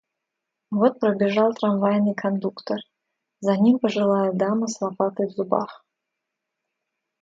Вот пробежал трамвайный кондуктор, за ним пожилая дама с лопатой в зубах.